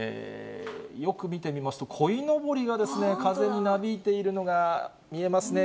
よく見てみますと、こいのぼりが風になびいているのが見えますね。